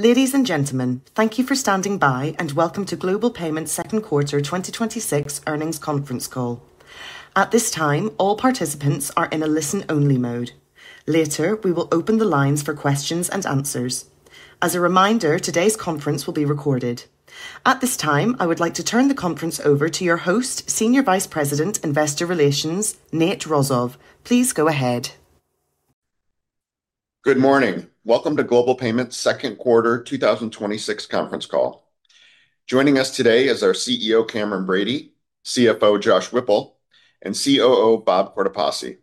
Ladies and gentlemen, thank you for standing by, and welcome to Global Payments' second quarter 2026 earnings conference call. At this time, all participants are in a listen-only mode. Later, we will open the lines for questions and answers. As a reminder, today's conference will be recorded. At this time, I would like to turn the conference over to your host, Senior Vice President, Investor Relations, Nate Rozof. Please go ahead. Good morning. Welcome to Global Payments' second quarter 2026 conference call. Joining us today is our CEO, Cameron Bready, CFO, Josh Whipple, and COO, Bob Cortopassi.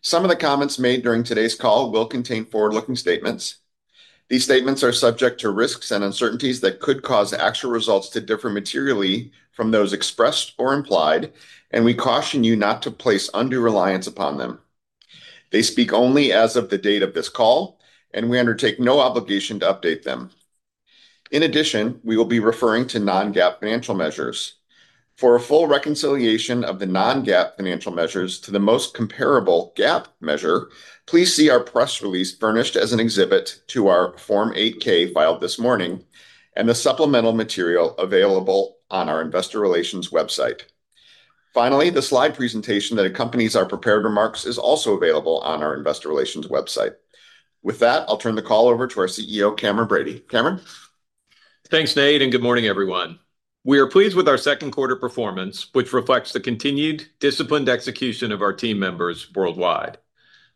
Some of the comments made during today's call will contain forward-looking statements. These statements are subject to risks and uncertainties that could cause actual results to differ materially from those expressed or implied, and we caution you not to place undue reliance upon them. They speak only as of the date of this call, and we undertake no obligation to update them. In addition, we will be referring to non-GAAP financial measures. For a full reconciliation of the non-GAAP financial measures to the most comparable GAAP measure, please see our press release furnished as an exhibit to our Form 8-K filed this morning and the supplemental material available on our investor relations website. Finally, the slide presentation that accompanies our prepared remarks is also available on our investor relations website. With that, I'll turn the call over to our CEO, Cameron Bready. Cameron? Thanks, Nate, and good morning, everyone. We are pleased with our second quarter performance, which reflects the continued disciplined execution of our team members worldwide.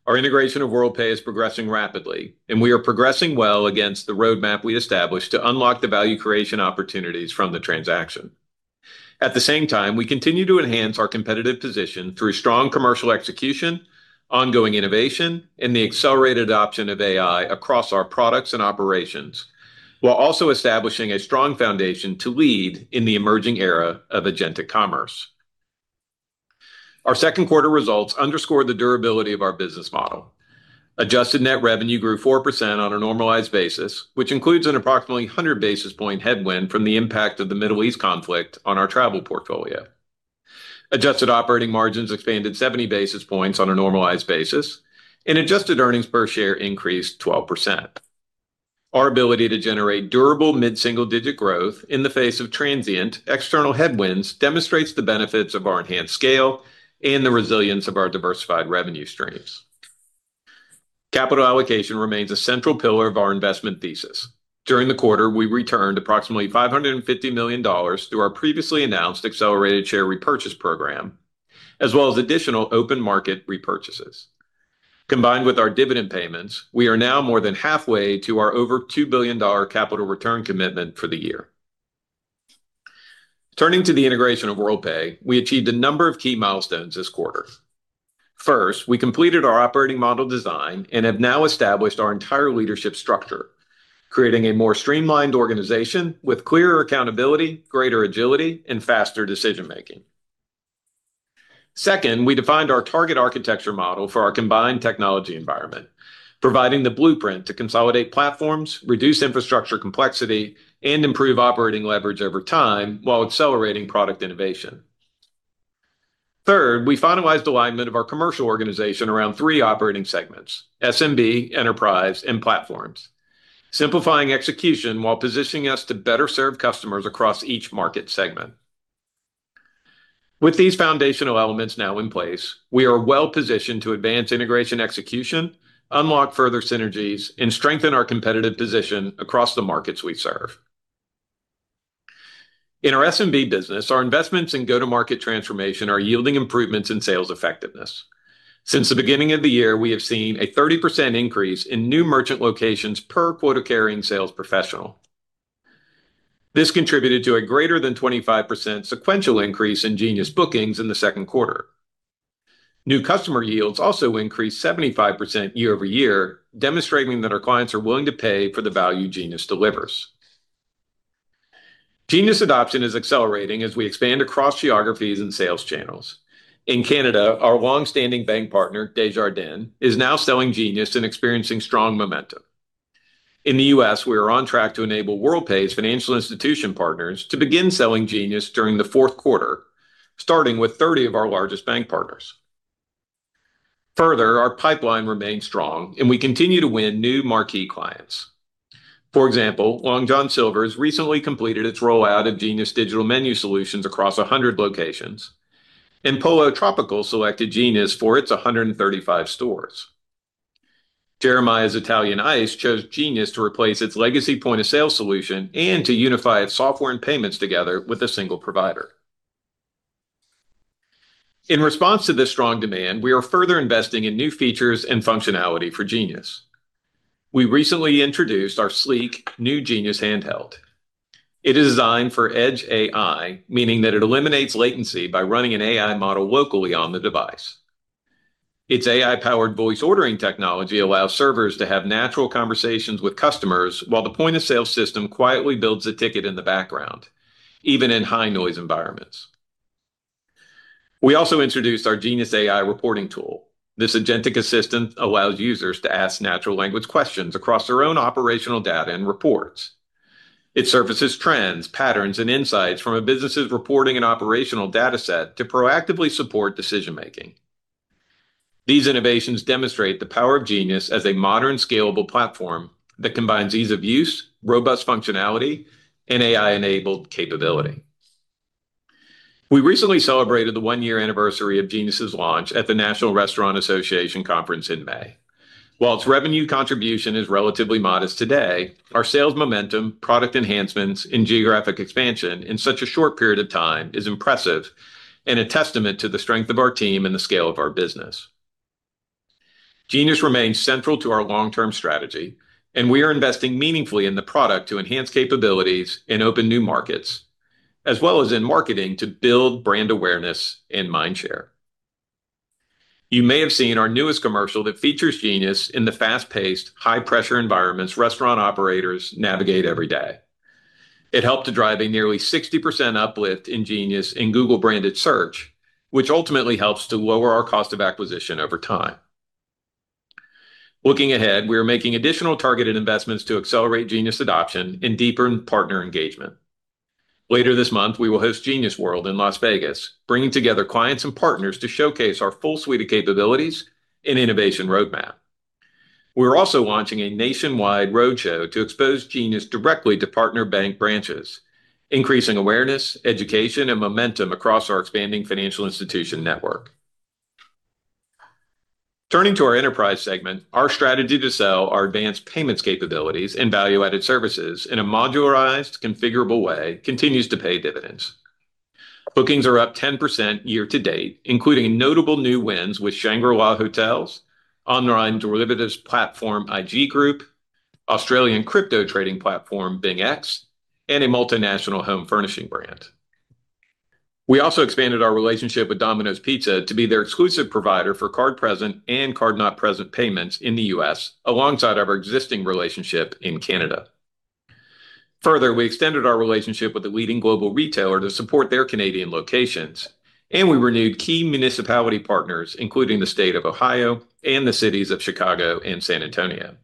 Our integration of Worldpay is progressing rapidly, and we are progressing well against the roadmap we established to unlock the value creation opportunities from the transaction. At the same time, we continue to enhance our competitive position through strong commercial execution, ongoing innovation, and the accelerated option of AI across our products and operations, while also establishing a strong foundation to lead in the emerging era of agentic commerce. Our second quarter results underscore the durability of our business model. Adjusted net revenue grew 4% on a normalized basis, which includes an approximately 100 basis point headwind from the impact of the Middle East conflict on our travel portfolio. Adjusted operating margins expanded 70 basis points on a normalized basis, and adjusted earnings per share increased 12%. Our ability to generate durable mid-single-digit growth in the face of transient external headwinds demonstrates the benefits of our enhanced scale and the resilience of our diversified revenue streams. Capital allocation remains a central pillar of our investment thesis. During the quarter, we returned approximately $550 million through our previously announced accelerated share repurchase program, as well as additional open market repurchases. Combined with our dividend payments, we are now more than halfway to our over $2 billion capital return commitment for the year. Turning to the integration of Worldpay, we achieved a number of key milestones this quarter. First, we completed our operating model design and have now established our entire leadership structure, creating a more streamlined organization with clearer accountability, greater agility, and faster decision-making. Second, we defined our target architecture model for our combined technology environment, providing the blueprint to consolidate platforms, reduce infrastructure complexity, and improve operating leverage over time while accelerating product innovation. Third, we finalized alignment of our commercial organization around three operating segments, SMB, enterprise, and platforms, simplifying execution while positioning us to better serve customers across each market segment. With these foundational elements now in place, we are well-positioned to advance integration execution, unlock further synergies, and strengthen our competitive position across the markets we serve. In our SMB business, our investments in go-to-market transformation are yielding improvements in sales effectiveness. Since the beginning of the year, we have seen a 30% increase in new merchant locations per quota-carrying sales professional. This contributed to a greater than 25% sequential increase in Genius bookings in the second quarter. New customer yields also increased 75% year-over-year, demonstrating that our clients are willing to pay for the value Genius delivers. Genius adoption is accelerating as we expand across geographies and sales channels. In Canada, our longstanding bank partner, Desjardins, is now selling Genius and experiencing strong momentum. In the U.S., we are on track to enable Worldpay's financial institution partners to begin selling Genius during the fourth quarter, starting with 30 of our largest bank partners. Further, our pipeline remains strong, and we continue to win new marquee clients. For example, Long John Silver's recently completed its rollout of Genius digital menu solutions across 100 locations, and Pollo Tropical selected Genius for its 135 stores. Jeremiah's Italian Ice chose Genius to replace its legacy point-of-sale solution and to unify its software and payments together with a single provider. In response to this strong demand, we are further investing in new features and functionality for Genius. We recently introduced our sleek new Genius handheld. It is designed for edge AI, meaning that it eliminates latency by running an AI model locally on the device. Its AI-powered voice ordering technology allows servers to have natural conversations with customers while the point-of-sale system quietly builds a ticket in the background, even in high-noise environments. We also introduced our Genius AI reporting tool. This agentic assistant allows users to ask natural language questions across their own operational data and reports. It surfaces trends, patterns, and insights from a business's reporting and operational data set to proactively support decision-making. These innovations demonstrate the power of Genius as a modern, scalable platform that combines ease of use, robust functionality, and AI-enabled capability. We recently celebrated the one-year anniversary of Genius's launch at the National Restaurant Association Show in May. While its revenue contribution is relatively modest today, our sales momentum, product enhancements, and geographic expansion in such a short period of time is impressive and a testament to the strength of our team and the scale of our business. Genius remains central to our long-term strategy, and we are investing meaningfully in the product to enhance capabilities and open new markets, as well as in marketing to build brand awareness and mind share. You may have seen our newest commercial that features Genius in the fast-paced, high-pressure environments restaurant operators navigate every day. It helped to drive a nearly 60% uplift in Genius in Google-branded search, which ultimately helps to lower our cost of acquisition over time. Looking ahead, we are making additional targeted investments to accelerate Genius adoption and deepen partner engagement. Later this month, we will host Genius World in Las Vegas, bringing together clients and partners to showcase our full suite of capabilities and innovation roadmap. We're also launching a nationwide roadshow to expose Genius directly to partner bank branches, increasing awareness, education, and momentum across our expanding financial institution network. Turning to our enterprise segment, our strategy to sell our advanced payments capabilities and value-added services in a modularized, configurable way continues to pay dividends. Bookings are up 10% year-to-date, including notable new wins with Shangri-La Hotels, online derivatives platform IG Group, Australian crypto trading platform BingX, and a multinational home furnishing brand. We also expanded our relationship with Domino's Pizza to be their exclusive provider for card-present and card-not-present payments in the U.S., alongside our existing relationship in Canada. Further, we extended our relationship with a leading global retailer to support their Canadian locations, and we renewed key municipality partners, including the State of Ohio and the cities of Chicago and San Antonio.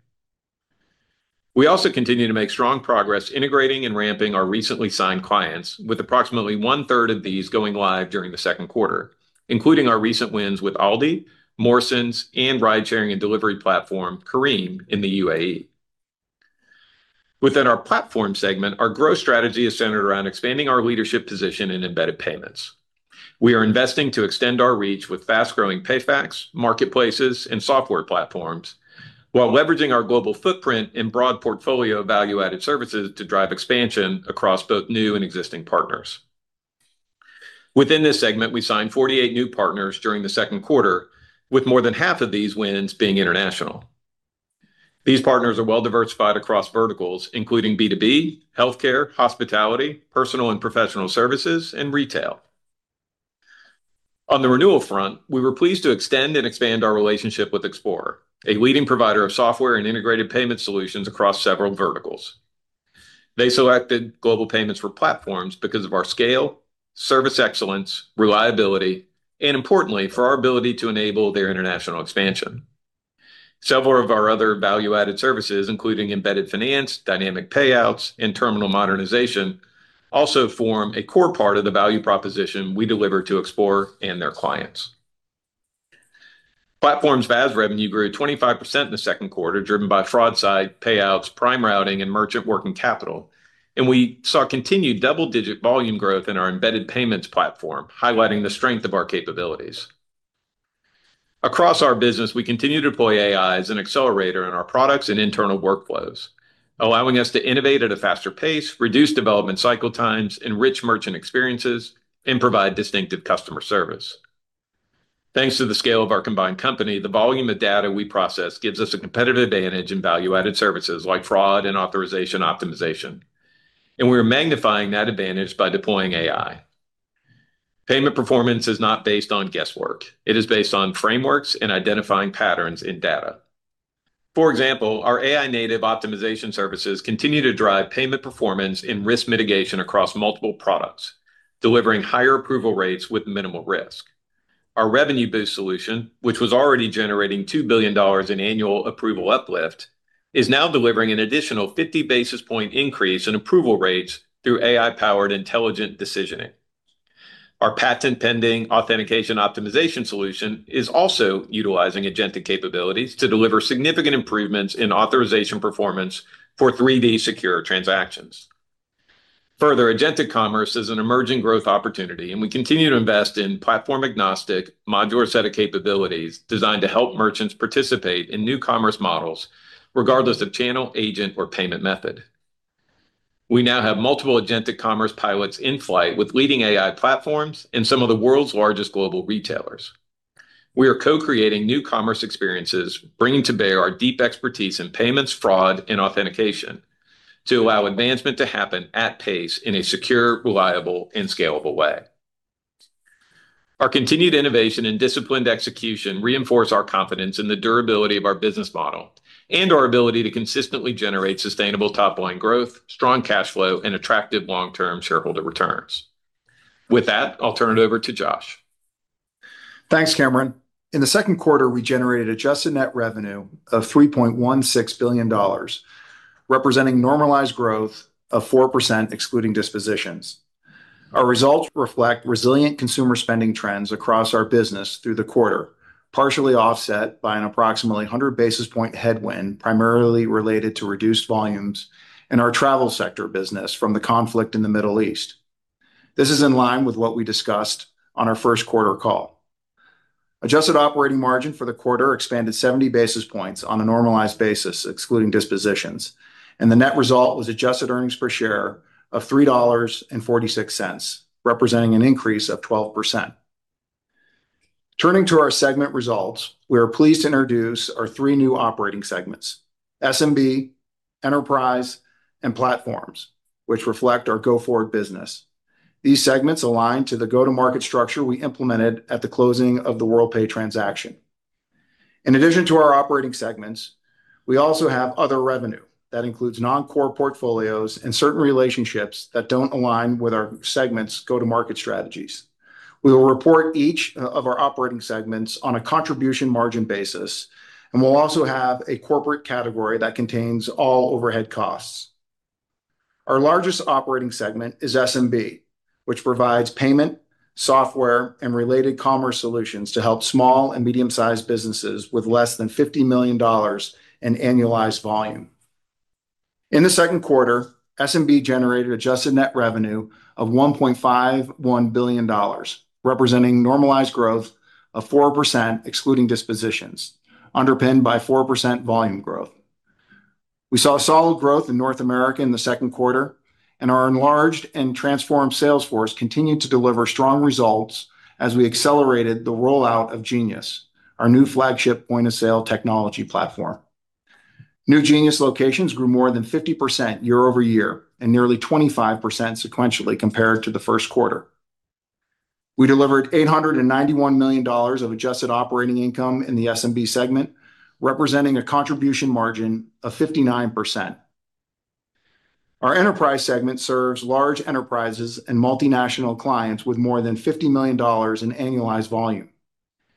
We also continue to make strong progress integrating and ramping our recently signed clients, with approximately one-third of these going live during the second quarter, including our recent wins with Aldi, Morrisons, and ride-sharing and delivery platform Careem in the UAE. Within our platform segment, our growth strategy is centered around expanding our leadership position in embedded payments. We are investing to extend our reach with fast-growing PayFacs, marketplaces, and software platforms while leveraging our global footprint and broad portfolio of value-added services to drive expansion across both new and existing partners. Within this segment, we signed 48 new partners during the second quarter, with more than half of these wins being international. These partners are well diversified across verticals, including B2B, healthcare, hospitality, personal and professional services, and retail. On the renewal front, we were pleased to extend and expand our relationship with Explorer, a leading provider of software and integrated payment solutions across several verticals. They selected Global Payments for platforms because of our scale, service excellence, reliability, and importantly, for our ability to enable their international expansion. Several of our other value-added services, including embedded finance, dynamic payouts, and terminal modernization, also form a core part of the value proposition we deliver to Explorer and their clients. Platforms VAS revenue grew 25% in the second quarter, driven by FraudSight payouts, prime routing, and merchant working capital. We saw continued double-digit volume growth in our embedded payments platform, highlighting the strength of our capabilities. Across our business, we continue to deploy AI as an accelerator in our products and internal workflows, allowing us to innovate at a faster pace, reduce development cycle times, enrich merchant experiences, and provide distinctive customer service. Thanks to the scale of our combined company, the volume of data we process gives us a competitive advantage in value-added services like fraud and authorization optimization, and we're magnifying that advantage by deploying AI. Payment performance is not based on guesswork. It is based on frameworks and identifying patterns in data. For example, our AI-native optimization services continue to drive payment performance and risk mitigation across multiple products, delivering higher approval rates with minimal risk. Our Revenue Boost solution, which was already generating $2 billion in annual approval uplift, is now delivering an additional 50-basis-point increase in approval rates through AI-powered intelligent decisioning. Our patent-pending authentication optimization solution is also utilizing agentic capabilities to deliver significant improvements in authorization performance for 3D Secure transactions. Further, agentic commerce is an emerging growth opportunity, and we continue to invest in platform-agnostic modular set of capabilities designed to help merchants participate in new commerce models, regardless of channel, agent, or payment method. We now have multiple agentic commerce pilots in flight with leading AI platforms and some of the world's largest global retailers. We are co-creating new commerce experiences, bringing to bear our deep expertise in payments, fraud, and authentication to allow advancement to happen at pace in a secure, reliable, and scalable way. Our continued innovation and disciplined execution reinforce our confidence in the durability of our business model and our ability to consistently generate sustainable top-line growth, strong cash flow, and attractive long-term shareholder returns. With that, I'll turn it over to Josh. Thanks, Cameron. In the second quarter, we generated adjusted net revenue of $3.16 billion, representing normalized growth of 4%, excluding dispositions. Our results reflect resilient consumer spending trends across our business through the quarter, partially offset by an approximately 100 basis point headwind, primarily related to reduced volumes in our travel sector business from the conflict in the Middle East. This is in line with what we discussed on our first quarter call. Adjusted operating margin for the quarter expanded 70 basis points on a normalized basis, excluding dispositions. The net result was adjusted earnings per share of $3.46, representing an increase of 12%. Turning to our segment results, we are pleased to introduce our three new operating segments, SMB, Enterprise, and Platforms, which reflect our go-forward business. These segments align to the go-to-market structure we implemented at the closing of the Worldpay transaction. In addition to our operating segments, we also have other revenue that includes non-core portfolios and certain relationships that don't align with our segments' go-to-market strategies. We will report each of our operating segments on a contribution margin basis, and we'll also have a corporate category that contains all overhead costs. Our largest operating segment is SMB, which provides payment, software, and related commerce solutions to help small and medium-sized businesses with less than $50 million in annualized volume. In the second quarter, SMB generated adjusted net revenue of $1.51 billion, representing normalized growth of 4%, excluding dispositions, underpinned by 4% volume growth. We saw solid growth in North America in the second quarter, and our enlarged and transformed sales force continued to deliver strong results as we accelerated the rollout of Genius, our new flagship point-of-sale technology platform. New Genius locations grew more than 50% year-over-year, and nearly 25% sequentially compared to the first quarter. We delivered $891 million of adjusted operating income in the SMB segment, representing a contribution margin of 59%. Our Enterprise segment serves large enterprises and multinational clients with more than $50 million in annualized volume.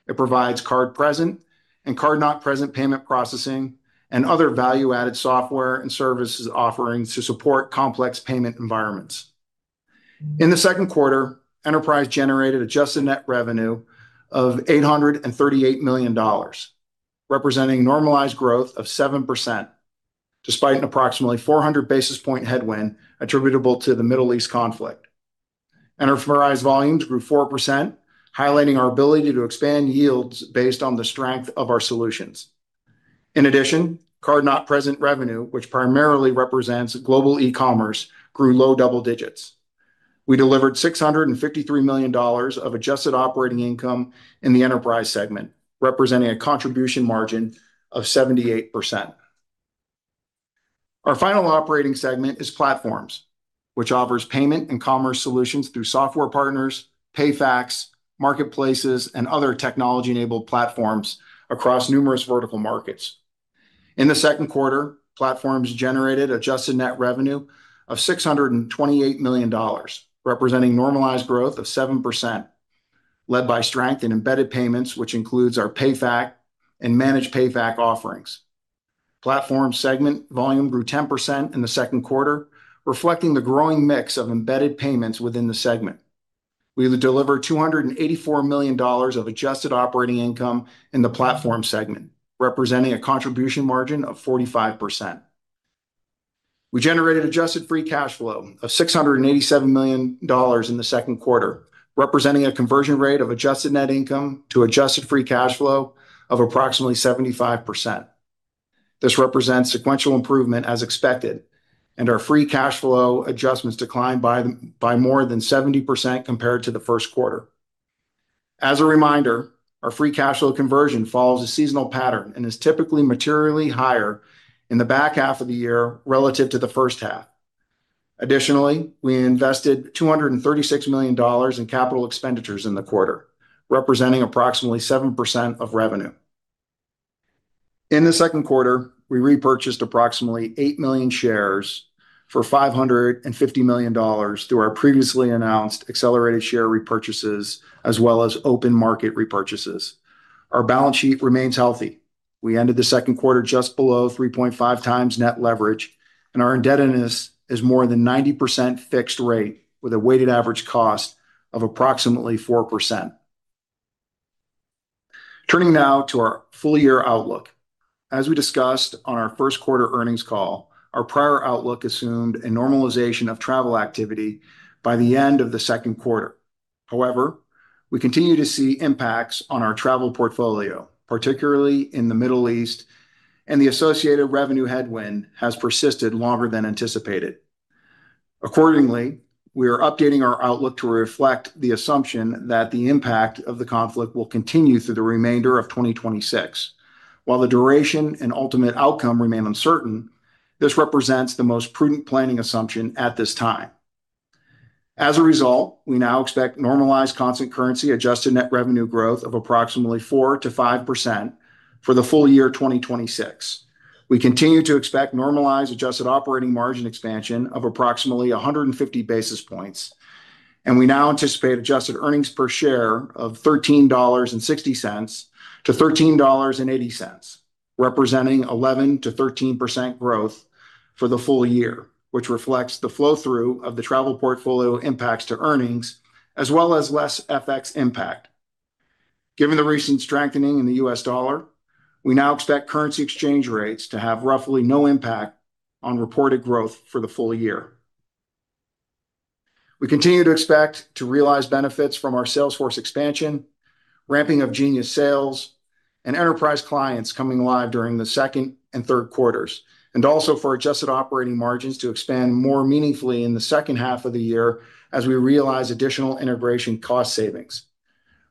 It provides card-present and card-not-present payment processing, and other value-added software and services offerings to support complex payment environments. In the second quarter, Enterprise generated adjusted net revenue of $838 million, representing normalized growth of 7%, despite an approximately 400 basis point headwind attributable to the Middle East conflict. Enterprise volumes grew 4%, highlighting our ability to expand yields based on the strength of our solutions. In addition, card-not-present revenue, which primarily represents global e-commerce, grew low double digits. We delivered $653 million of adjusted operating income in the Enterprise segment, representing a contribution margin of 78%. Our final operating segment is Platforms, which offers payment and commerce solutions through software partners, PayFacs, marketplaces, and other technology-enabled platforms across numerous vertical markets. In the second quarter, Platforms generated adjusted net revenue of $628 million, representing normalized growth of 7%, led by strength in embedded payments, which includes our PayFac and managed PayFac offerings. Platform segment volume grew 10% in the second quarter, reflecting the growing mix of embedded payments within the segment. We delivered $284 million of adjusted operating income in the Platform segment, representing a contribution margin of 45%. We generated adjusted free cash flow of $687 million in the second quarter, representing a conversion rate of adjusted net income to adjusted free cash flow of approximately 75%. This represents sequential improvement as expected. Our free cash flow adjustments declined by more than 70% compared to the first quarter. As a reminder, our free cash flow conversion follows a seasonal pattern and is typically materially higher in the back half of the year relative to the first half. Additionally, we invested $236 million in capital expenditures in the quarter, representing approximately 7% of revenue. In the second quarter, we repurchased approximately 8 million shares for $550 million through our previously announced accelerated share repurchases, as well as open market repurchases. Our balance sheet remains healthy. We ended the second quarter just below 3.5 times net leverage, and our indebtedness is more than 90% fixed rate with a weighted average cost of approximately 4%. Turning now to our full-year outlook. As we discussed on our first quarter earnings call, our prior outlook assumed a normalization of travel activity by the end of the second quarter. However, we continue to see impacts on our travel portfolio, particularly in the Middle East, and the associated revenue headwind has persisted longer than anticipated. Accordingly, we are updating our outlook to reflect the assumption that the impact of the conflict will continue through the remainder of 2026. While the duration and ultimate outcome remain uncertain, this represents the most prudent planning assumption at this time. As a result, we now expect normalized constant currency adjusted net revenue growth of approximately 4% to 5% for the full-year 2026. We continue to expect normalized adjusted operating margin expansion of approximately 150 basis points. We now anticipate adjusted earnings per share of $13.60 to $13.80, representing 11% to 13% growth for the full year, which reflects the flow-through of the travel portfolio impacts to earnings, as well as less FX impact. Given the recent strengthening in the U.S. dollar, we now expect currency exchange rates to have roughly no impact on reported growth for the full year. We continue to expect to realize benefits from our salesforce expansion, ramping of Genius sales, and enterprise clients coming live during the second and third quarters. Also, for adjusted operating margins to expand more meaningfully in the second half of the year as we realize additional integration cost savings.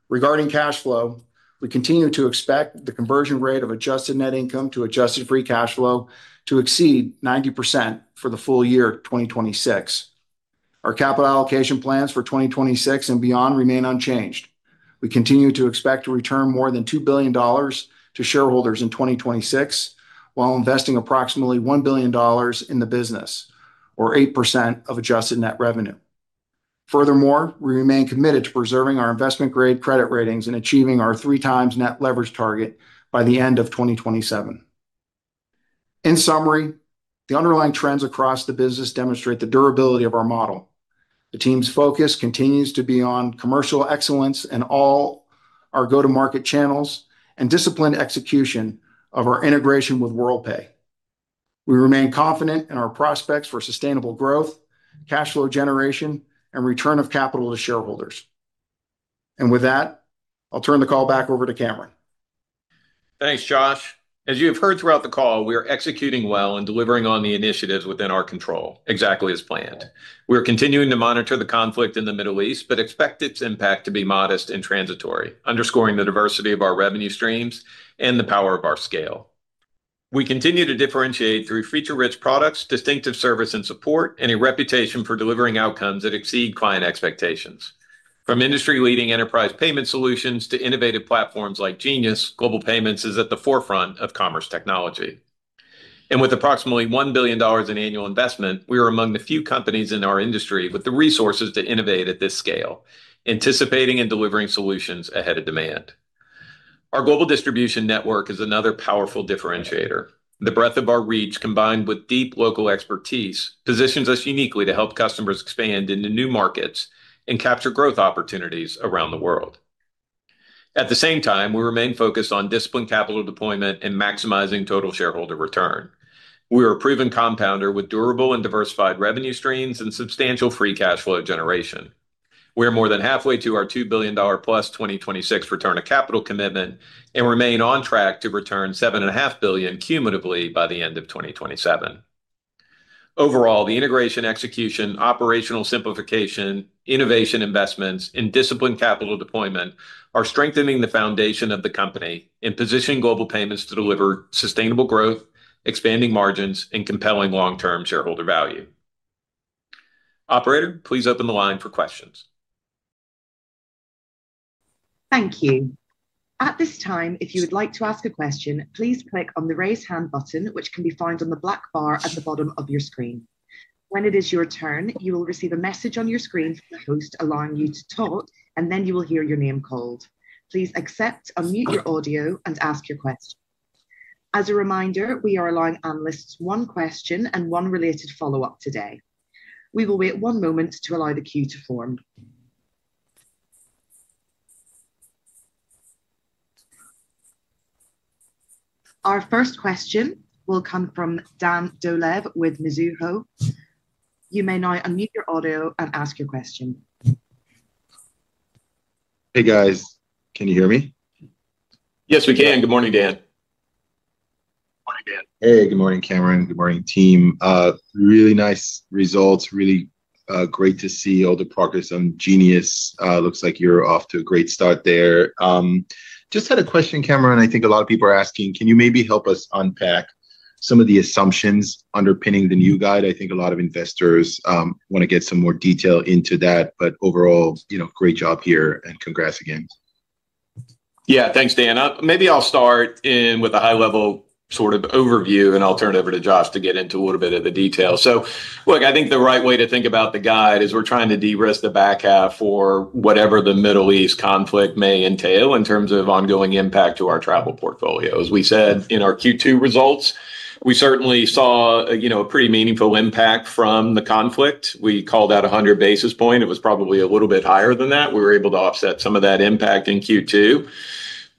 Regarding cash flow, we continue to expect the conversion rate of adjusted net income to adjusted free cash flow to exceed 90% for the full year 2026. Our capital allocation plans for 2026 and beyond remain unchanged. We continue to expect to return more than $2 billion to shareholders in 2026, while investing approximately $1 billion in the business, or 8% of adjusted net revenue. Furthermore, we remain committed to preserving our investment-grade credit ratings and achieving our 3x net leverage target by the end of 2027. In summary, the underlying trends across the business demonstrate the durability of our model. The team's focus continues to be on commercial excellence in all our go-to-market channels and disciplined execution of our integration with Worldpay. We remain confident in our prospects for sustainable growth, cash flow generation, and return of capital to shareholders. With that, I'll turn the call back over to Cameron. Thanks, Josh. As you have heard throughout the call, we are executing well and delivering on the initiatives within our control exactly as planned. We're continuing to monitor the conflict in the Middle East, but expect its impact to be modest and transitory, underscoring the diversity of our revenue streams and the power of our scale. We continue to differentiate through feature-rich products, distinctive service and support, and a reputation for delivering outcomes that exceed client expectations. From industry-leading enterprise payment solutions to innovative platforms like Genius, Global Payments is at the forefront of commerce technology. With approximately $1 billion in annual investment, we are among the few companies in our industry with the resources to innovate at this scale, anticipating and delivering solutions ahead of demand. Our global distribution network is another powerful differentiator. The breadth of our reach, combined with deep local expertise, positions us uniquely to help customers expand into new markets and capture growth opportunities around the world. At the same time, we remain focused on disciplined capital deployment and maximizing total shareholder return. We're a proven compounder with durable and diversified revenue streams and substantial free cash flow generation. We're more than halfway to our $2 billion+ 2026 return of capital commitment and remain on track to return $7.5 billion cumulatively by the end of 2027. Overall, the integration execution, operational simplification, innovation investments, and disciplined capital deployment are strengthening the foundation of the company and positioning Global Payments to deliver sustainable growth, expanding margins, and compelling long-term shareholder value. Operator, please open the line for questions. Thank you. At this time, if you would like to ask a question, please click on the raise hand button, which can be found on the black bar at the bottom of your screen. When it is your turn, you will receive a message on your screen from the host allowing you to talk, and then you will hear your name called. Please accept, unmute your audio, and ask your question. As a reminder, we are allowing analysts one question and one related follow-up today. We will wait one moment to allow the queue to form. Our first question will come from Dan Dolev with Mizuho. You may now unmute your audio and ask your question. Hey, guys. Can you hear me? Yes, we can. Good morning, Dan. Morning, Dan. Hey, good morning, Cameron. Good morning, team. Really nice results. Really great to see all the progress on Genius. Looks like you're off to a great start there. Just had a question, Cameron, I think a lot of people are asking. Can you maybe help us unpack some of the assumptions underpinning the new guide? I think a lot of investors want to get some more detail into that. Overall, great job here, and congrats again. Yeah. Thanks, Dan. Maybe I'll start with a high-level sort of overview, and I'll turn it over to Josh to get into a little bit of the detail. Look, I think the right way to think about the guide is we're trying to de-risk the back half for whatever the Middle East conflict may entail in terms of ongoing impact to our travel portfolio. As we said in our Q2 results, we certainly saw a pretty meaningful impact from the conflict. We called out 100 basis point. It was probably a little bit higher than that. We were able to offset some of that impact in Q2.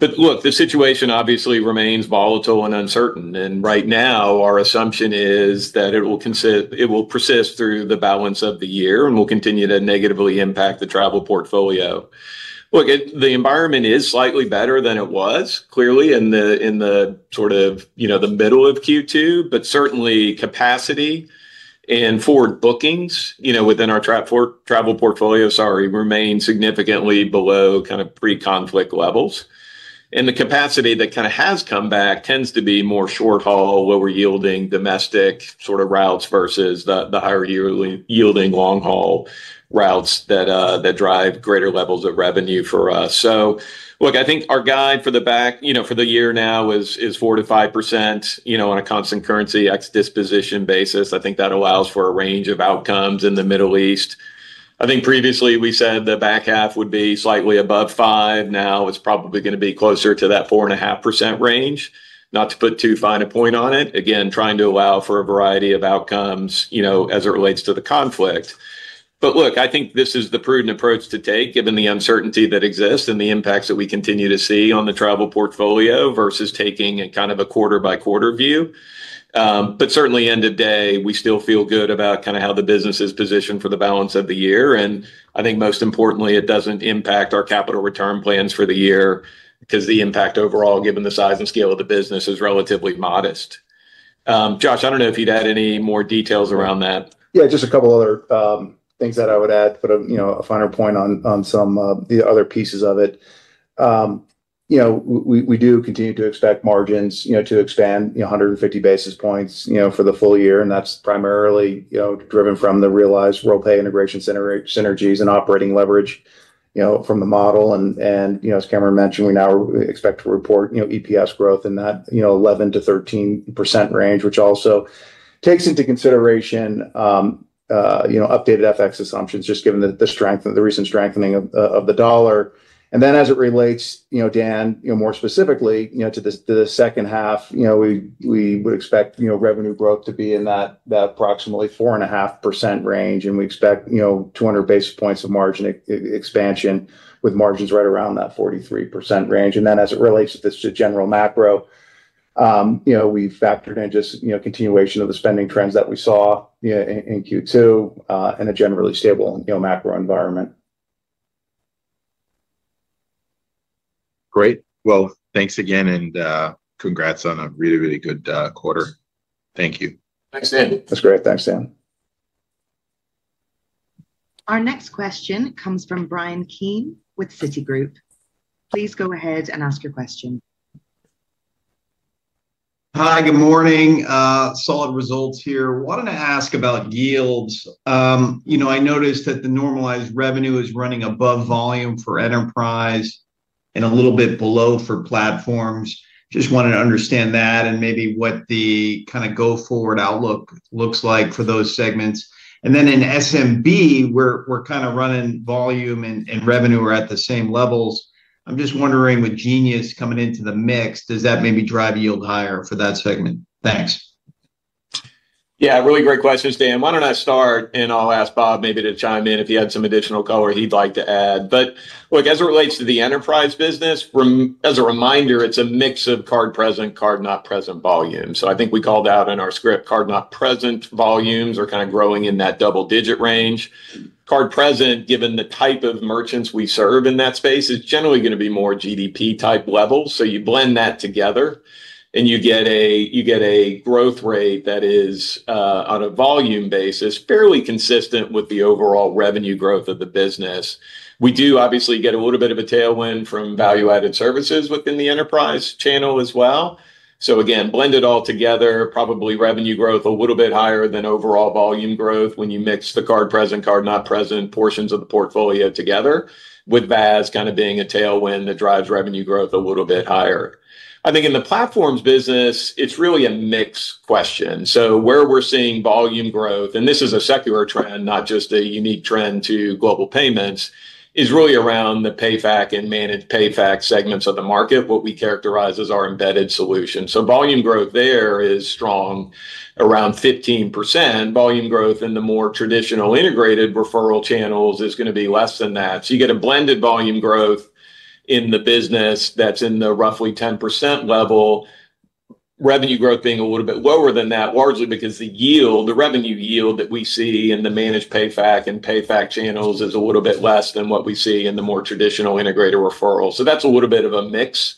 Look, the situation obviously remains volatile and uncertain, and right now our assumption is that it will persist through the balance of the year and will continue to negatively impact the travel portfolio. Look, the environment is slightly better than it was, clearly in the sort of middle of Q2. Certainly, capacity and forward bookings within our travel portfolio, sorry, remain significantly below pre-conflict levels. The capacity that has come back tends to be more short-haul, lower-yielding domestic sort of routes versus the higher-yielding long-haul routes that drive greater levels of revenue for us. Look, I think our guide for the year now is 4% to 5% on a constant currency ex disposition basis. I think that allows for a range of outcomes in the Middle East I think previously we said the back half would be slightly above 5%, now it's probably going to be closer to that 4.5% range. Not to put too fine a point on it. Again, trying to allow for a variety of outcomes as it relates to the conflict. Look, I think this is the prudent approach to take given the uncertainty that exists and the impacts that we continue to see on the travel portfolio versus taking a kind of a quarter-by-quarter view. Certainly, end of day, we still feel good about how the business is positioned for the balance of the year. I think most importantly it doesn't impact our capital return plans for the year because the impact overall, given the size and scale of the business, is relatively modest. Josh, I don't know if you'd add any more details around that. Just a couple other things that I would add, put a finer point on some of the other pieces of it. We do continue to expect margins to expand 150 basis points for the full year, that's primarily driven from the realized Worldpay integration synergies and operating leverage from the model. As Cameron mentioned, we now expect to report EPS growth in that 11% to 13% range, which also takes into consideration updated FX assumptions, just given the recent strengthening of the dollar. As it relates, Dan, more specifically to the second half, we would expect revenue growth to be in that approximately 4.5% range, and we expect 200 basis points of margin expansion with margins right around that 43% range. As it relates to general macro, we've factored in just continuation of the spending trends that we saw in Q2 and a generally stable macro environment. Great. Well, thanks again, and congrats on a really, really good quarter. Thank you. Thanks, Dan. That's great. Thanks, Dan. Our next question comes from Bryan Keane with Citigroup. Please go ahead and ask your question. Hi, good morning. Solid results here. Wanted to ask about yields. I noticed that the normalized revenue is running above volume for Enterprise and a little bit below for Platforms. Just wanted to understand that and maybe what the go forward outlook looks like for those segments. Then in SMB, we're kind of running volume and revenue are at the same levels. I'm just wondering with Genius coming into the mix, does that maybe drive yield higher for that segment? Thanks. Really great questions, Bryan. Why don't I start, and I'll ask Bob maybe to chime in if he had some additional color he'd like to add. Look, as it relates to the enterprise business, as a reminder, it's a mix of card-present, card-not-present volume. I think we called out in our script, card-not-present volumes are kind of growing in that double-digit range. Card-present, given the type of merchants we serve in that space, is generally going to be more GDP-type levels. You blend that together and you get a growth rate that is, on a volume basis, fairly consistent with the overall revenue growth of the business. We do obviously get a little bit of a tailwind from value-added services within the enterprise channel as well. Again, blend it all together, probably revenue growth a little bit higher than overall volume growth when you mix the card-present, card-not-present portions of the portfolio together, with VAS kind of being a tailwind that drives revenue growth a little bit higher. I think in the Platforms business, it's really a mix question. Where we're seeing volume growth, and this is a secular trend, not just a unique trend to Global Payments, is really around the PayFac and managed PayFacs segments of the market, what we characterize as our embedded solution. Volume growth there is strong, around 15%. Volume growth in the more traditional integrated referral channels is going to be less than that. You get a blended volume growth in the business that's in the roughly 10% level. Revenue growth being a little bit lower than that, largely because the yield, the revenue yield that we see in the managed PayFac and PayFac channels is a little bit less than what we see in the more traditional integrated referrals. That's a little bit of a mix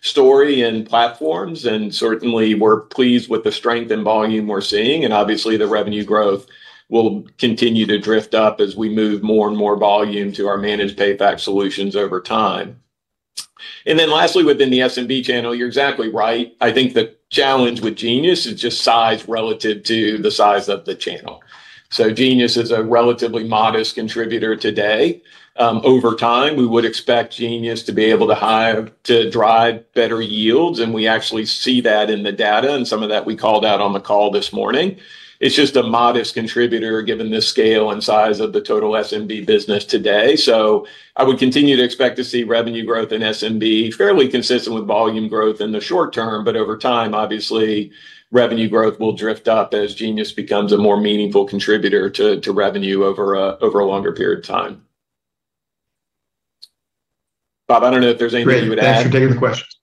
story in Platforms, and certainly we're pleased with the strength in volume we're seeing, and obviously the revenue growth will continue to drift up as we move more and more volume to our managed PayFacs solutions over time. Lastly, within the SMB channel, you're exactly right. I think the challenge with Genius is just size relative to the size of the channel. Genius is a relatively modest contributor today. Over time, we would expect Genius to be able to drive better yields, and we actually see that in the data, and some of that we called out on the call this morning. It's just a modest contributor given the scale and size of the total SMB business today. I would continue to expect to see revenue growth in SMB fairly consistent with volume growth in the short term, but over time, obviously, revenue growth will drift up as Genius becomes a more meaningful contributor to revenue over a longer period of time. Bob, I don't know if there's anything you would add. Great. Thanks for taking the questions.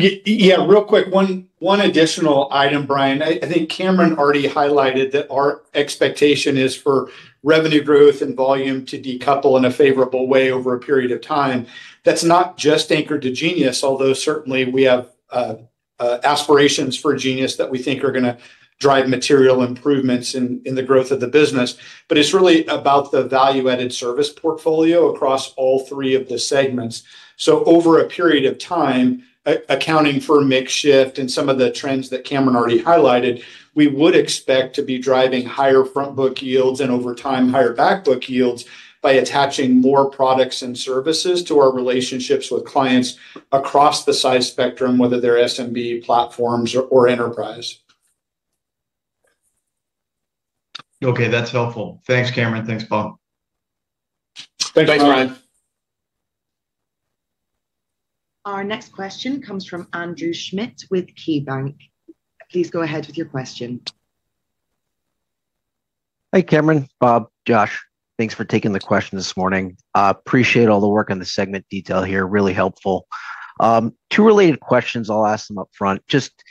Yeah, real quick, one additional item, Bryan. I think Cameron already highlighted that our expectation is for revenue growth and volume to decouple in a favorable way over a period of time. That's not just anchored to Genius, although certainly we have aspirations for Genius that we think are going to drive material improvements in the growth of the business. It's really about the value-added service portfolio across all three of the segments. Over a period of time, accounting for mix shift and some of the trends that Cameron already highlighted, we would expect to be driving higher front book yields, and over time, higher back book yields by attaching more products and services to our relationships with clients across the size spectrum, whether they're SMB, Platforms, or Enterprise. Okay, that's helpful. Thanks, Cameron. Thanks, Bob. Thanks, Bryan. Thanks, Ryan. Our next question comes from Andrew Schmidt with KeyBanc. Please go ahead with your question. Hi, Cameron, Bob, Josh. Thanks for taking the question this morning. Appreciate all the work on the segment detail here. Really helpful. Two related questions, I'll ask them upfront. Just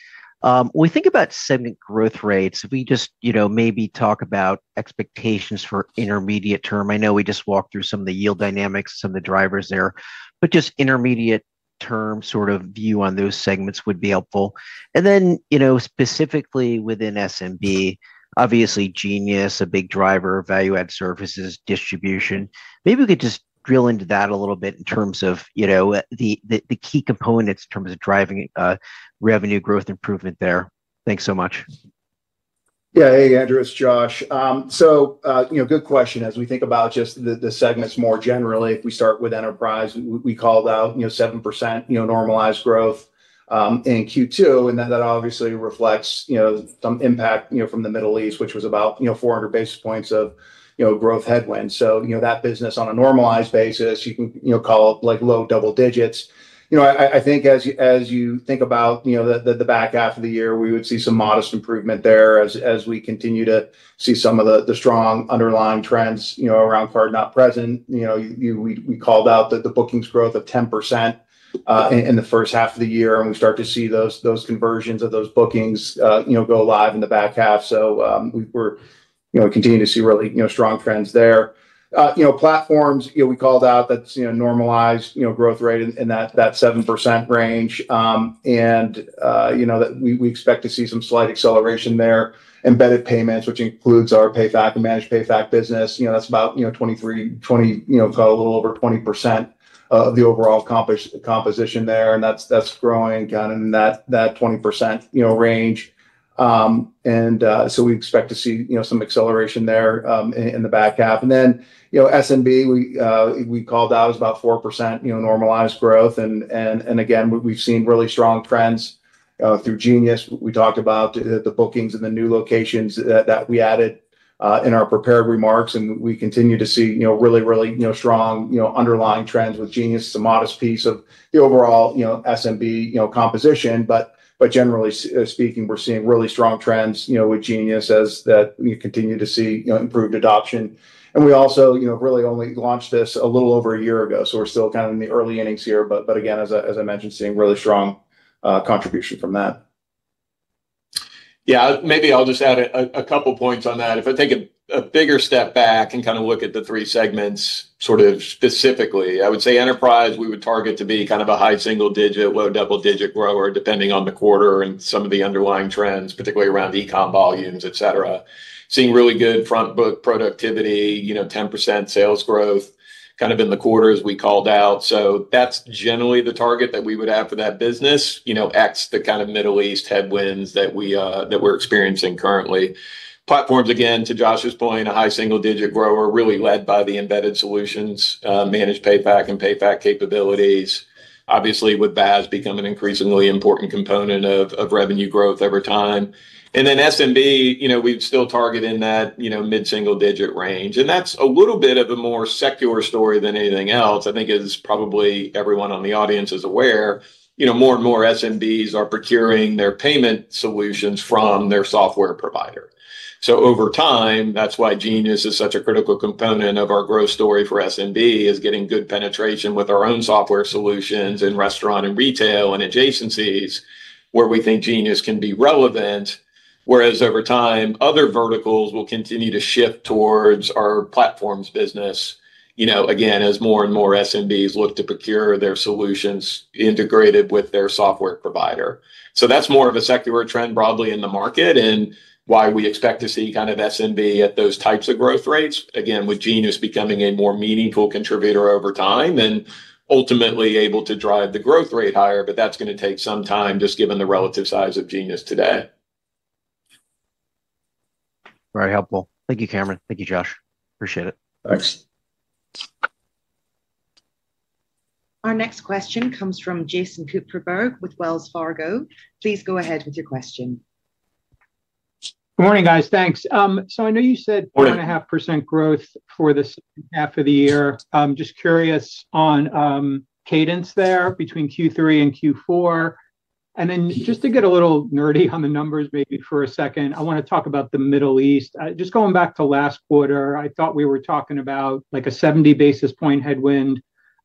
when we think about segment growth rates, if we just maybe talk about expectations for intermediate term. I know we just walked through some of the yield dynamics, some of the drivers there, but just intermediate term sort of view on those segments would be helpful. Then, specifically within SMB, obviously Genius, a big driver, value-add services, distribution. Maybe we could just drill into that a little bit in terms of the key components in terms of driving revenue growth improvement there. Thanks so much. Yeah. Hey, Andrew. It's Josh. Good question as we think about just the segments more generally. If we start with enterprise, we called out 7% normalized growth in Q2, that obviously reflects some impact from the Middle East, which was about 400 basis points of growth headwind. That business on a normalized basis, you can call it low double digits. I think as you think about the back half of the year, we would see some modest improvement there as we continue to see some of the strong underlying trends around card-not-present. We called out the bookings growth of 10% in the first half of the year, we start to see those conversions of those bookings go live in the back half. We're continuing to see really strong trends there. Platforms, we called out that's normalized growth rate in that 7% range. We expect to see some slight acceleration there. Embedded payments, which includes our PayFac and managed PayFac business, that's about a little over 20% of the overall composition there, and that's growing kind of in that 20% range. We expect to see some acceleration there in the back half. Then SMB, we called out, is about 4% normalized growth. We've seen really strong trends through Genius. We talked about the bookings and the new locations that we added in our prepared remarks, and we continue to see really strong underlying trends with Genius. It's a modest piece of the overall SMB composition. Generally speaking, we're seeing really strong trends with Genius as we continue to see improved adoption. We also really only launched this a little over a year ago, so we're still kind of in the early innings here. Again, as I mentioned, seeing really strong contribution from that. Maybe I'll just add a couple points on that. If I take a bigger step back and kind of look at the three segments sort of specifically, I would say enterprise we would target to be kind of a high single digit, low double-digit grower depending on the quarter and some of the underlying trends, particularly around eCom volumes, et cetera. Seeing really good front book productivity, 10% sales growth kind of in the quarter as we called out. That's generally the target that we would have for that business, X the kind of Middle East headwinds that we're experiencing currently. Platforms, again, to Josh's point, a high single digit grower really led by the embedded solutions, managed PayFac and PayFac capabilities. Obviously, with BaaS become an increasingly important component of revenue growth over time. Then SMB, we'd still target in that mid-single digit range. That's a little bit of a more secular story than anything else. I think as probably everyone on the audience is aware, more and more SMBs are procuring their payment solutions from their software provider. Over time, that's why Genius is such a critical component of our growth story for SMB, is getting good penetration with our own software solutions in restaurant and retail and adjacencies where we think Genius can be relevant. Whereas over time, other verticals will continue to shift towards our platforms business, again, as more and more SMBs look to procure their solutions integrated with their software provider. That's more of a secular trend broadly in the market and why we expect to see kind of SMB at those types of growth rates, again, with Genius becoming a more meaningful contributor over time and ultimately able to drive the growth rate higher. That's going to take some time just given the relative size of Genius today. Very helpful. Thank you, Cameron. Thank you, Josh. Appreciate it. Thanks. Our next question comes from Jason Kupferberg with Wells Fargo. Please go ahead with your question. Morning, guys. Thanks. Morning 2.5% growth for the second half of the year. Just curious on cadence there between Q3 and Q4. Just to get a little nerdy on the numbers maybe for a second, I want to talk about the Middle East. Just going back to last quarter, I thought we were talking about a 70-basis point headwind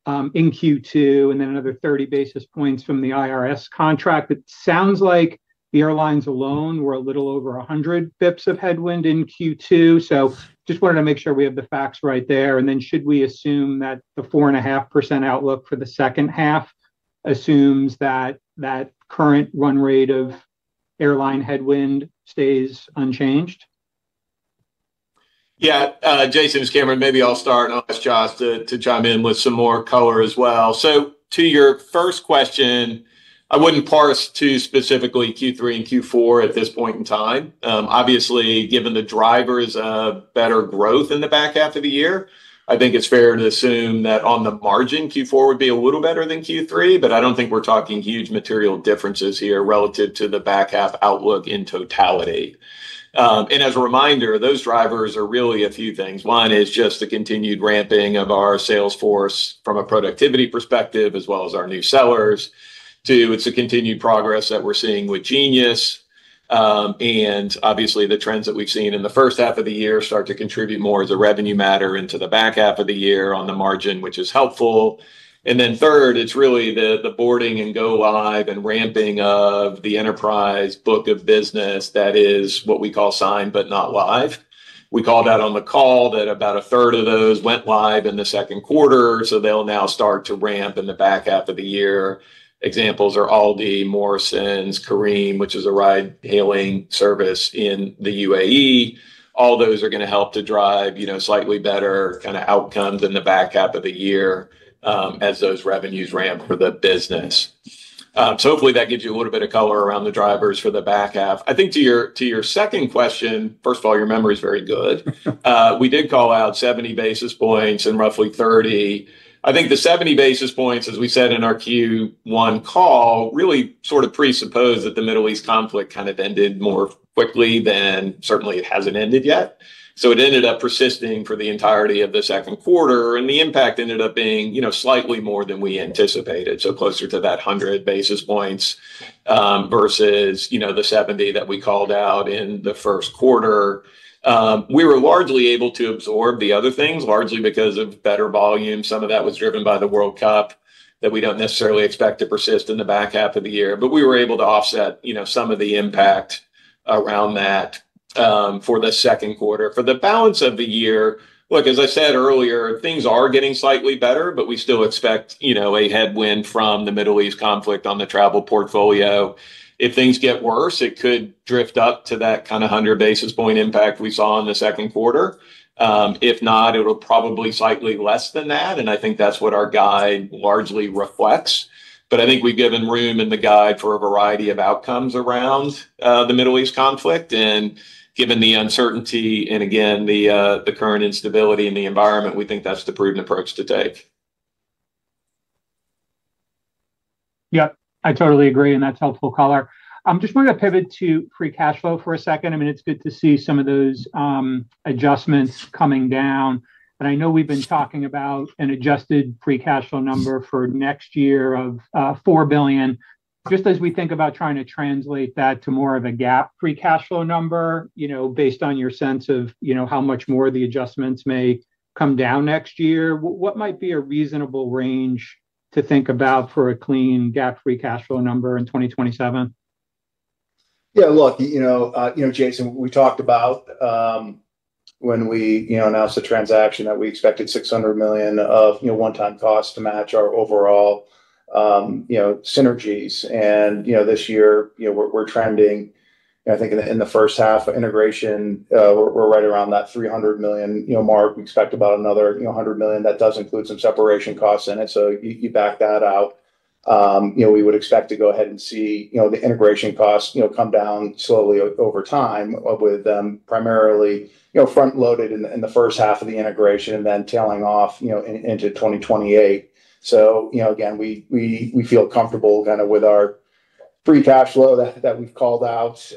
in Q2 and then another 30 basis points from the IRS contract. It sounds like the airlines alone were a little over 100 basis points of headwind in Q2. Just wanted to make sure we have the facts right there. Then should we assume that the 4.5% outlook for the second half assumes that that current run rate of airline headwind stays unchanged? Yeah. Jason, it's Cameron. Maybe I'll start and ask Josh to chime in with some more color as well. To your first question, I wouldn't parse too specifically Q3 and Q4 at this point in time. Obviously, given the drivers of better growth in the back half of the year, I think it's fair to assume that on the margin, Q4 would be a little better than Q3, but I don't think we're talking huge material differences here relative to the back half outlook in totality. As a reminder, those drivers are really a few things. One is just the continued ramping of our sales force from a productivity perspective as well as our new sellers. Two, it's the continued progress that we're seeing with Genius. Obviously, the trends that we've seen in the first half of the year start to contribute more as a revenue matter into the back half of the year on the margin, which is helpful. Third, it's really the boarding and go live and ramping of the enterprise book of business that is what we call signed but not live. We called out on the call that about a third of those went live in the second quarter, so they'll now start to ramp in the back half of the year. Examples are Aldi, Morrisons, Careem, which is a ride-hailing service in the UAE. All those are going to help to drive slightly better outcomes in the back half of the year as those revenues ramp for the business. Hopefully that gives you a little bit of color around the drivers for the back half. I think to your second question, first of all, your memory's very good. We did call out 70 basis points and roughly 30. I think the 70 basis points, as we said in our Q1 call, really sort of presupposed that the Middle East conflict kind of ended more quickly than certainly it hasn't ended yet. It ended up persisting for the entirety of the second quarter, and the impact ended up being slightly more than we anticipated. Closer to that 100 basis points, versus the 70 that we called out in the first quarter. We were largely able to absorb the other things, largely because of better volume. Some of that was driven by the World Cup, that we don't necessarily expect to persist in the back half of the year. We were able to offset some of the impact around that for the second quarter. For the balance of the year, look, as I said earlier, things are getting slightly better, but we still expect a headwind from the Middle East conflict on the travel portfolio. If things get worse, it could drift up to that kind of 100 basis point impact we saw in the second quarter. If not, it'll probably slightly less than that, and I think that's what our guide largely reflects. I think we've given room in the guide for a variety of outcomes around the Middle East conflict. Given the uncertainty, and again, the current instability in the environment, we think that's the prudent approach to take. Yep. I totally agree, and that's helpful color. I just wanted to pivot to free cash flow for a second. It's good to see some of those adjustments coming down, and I know we've been talking about an adjusted free cash flow number for next year of $4 billion. Just as we think about trying to translate that to more of a GAAP free cash flow number, based on your sense of how much more the adjustments may come down next year, what might be a reasonable range to think about for a clean GAAP free cash flow number in 2027? Yeah. Look, Jason, we talked about when we announced the transaction that we expected $600 million of one-time cost to match our overall synergies. This year, we're trending, I think, in the first half of integration, we're right around that $300 million mark. We expect about another $100 million. That does include some separation costs in it. You back that out. We would expect to go ahead and see the integration costs come down slowly over time with them primarily front-loaded in the first half of the integration and then tailing off into 2028. Again, we feel comfortable with our free cash flow that we've called out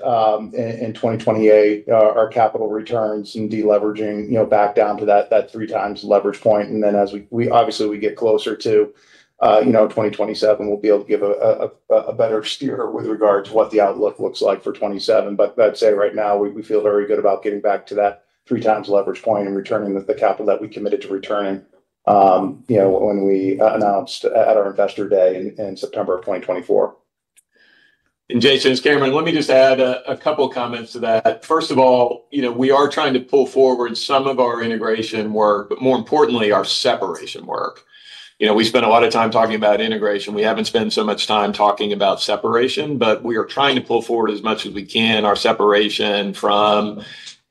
in 2028, our capital returns and deleveraging back down to that three times leverage point. Then as obviously we get closer to 2027, we'll be able to give a better steer with regard to what the outlook looks like for 2027. I'd say right now, we feel very good about getting back to that three times leverage point and returning the capital that we committed to returning when we announced at our Investor Day in September of 2024. Jason, it's Cameron. Let me just add a couple of comments to that. First of all, we are trying to pull forward some of our integration work, but more importantly, our separation work. We spend a lot of time talking about integration. We haven't spent so much time talking about separation, but we are trying to pull forward as much as we can our separation from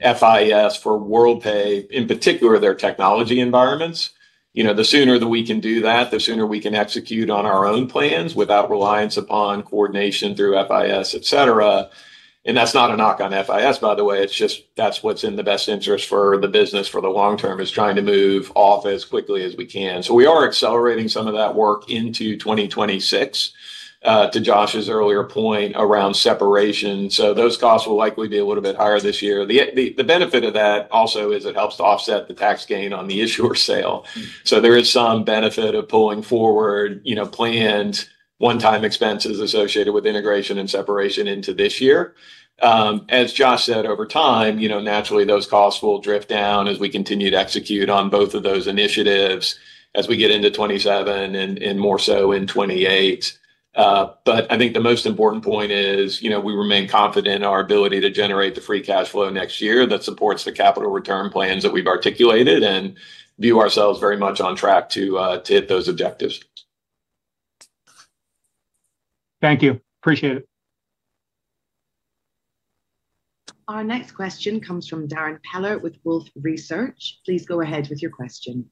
FIS for Worldpay, in particular, their technology environments. The sooner that we can do that, the sooner we can execute on our own plans without reliance upon coordination through FIS, et cetera. That's not a knock on FIS, by the way. It's just that's what's in the best interest for the business for the long term is trying to move off as quickly as we can. We are accelerating some of that work into 2026, to Josh's earlier point around separation. Those costs will likely be a little bit higher this year. The benefit of that also is it helps to offset the tax gain on the issuer sale. There is some benefit of pulling forward planned one-time expenses associated with integration and separation into this year. As Josh said, over time, naturally, those costs will drift down as we continue to execute on both of those initiatives as we get into 2027 and more so in 2028. I think the most important point is we remain confident in our ability to generate the free cash flow next year that supports the capital return plans that we've articulated and view ourselves very much on track to hit those objectives. Thank you. Appreciate it. Our next question comes from Darrin Peller with Wolfe Research. Please go ahead with your question.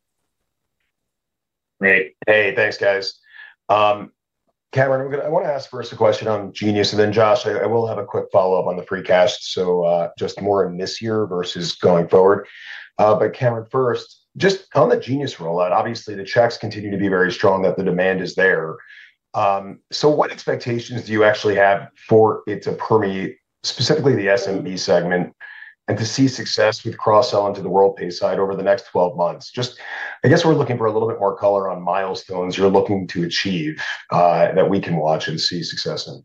Hey. Thanks, guys. Cameron, I want to ask first a question on Genius, and then Josh, I will have a quick follow-up on the free cash. Just more on this year versus going forward. Cameron first, just on the Genius rollout, obviously the checks continue to be very strong, that the demand is there. What expectations do you actually have for it to permeate specifically the SMB segment and to see success with cross-sell into the Worldpay side over the next 12 months. I guess we're looking for a little bit more color on milestones you're looking to achieve that we can watch and see success in.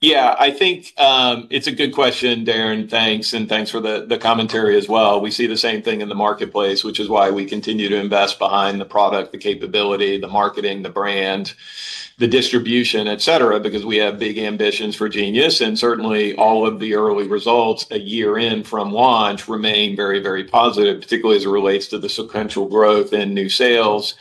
Yeah, I think it's a good question, Darrin. Thanks, and thanks for the commentary as well. We see the same thing in the marketplace, which is why we continue to invest behind the product, the capability, the marketing, the brand, the distribution, et cetera, because we have big ambitions for Genius. Certainly, all of the early results a year in from launch remain very, very positive, particularly as it relates to the sequential growth in new sales